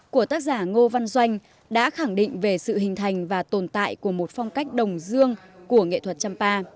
của tác giả ngô văn doanh đã khẳng định về sự hình thành và tồn tại của một phong cách đồng dương của nghệ thuật champa